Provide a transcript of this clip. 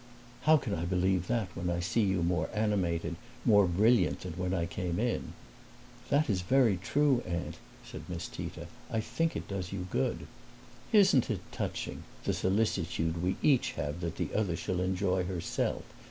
"How can I believe that when I see you more animated, more brilliant than when I came in?" "That is very true, Aunt," said Miss Tita. "I think it does you good." "Isn't it touching, the solicitude we each have that the other shall enjoy herself?"